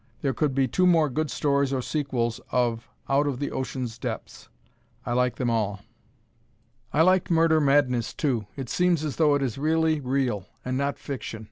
There could be two more good stories or sequels of "Out of the Ocean's Depths." I like them all. I liked "Murder Madness," too. It seems as though it is really real, and not fiction.